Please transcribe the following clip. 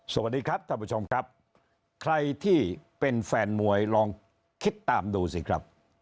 สวัสดีครับท่านผู้ชมครับใครที่เป็นแฟนมวยลองคิดตามดูสิครับ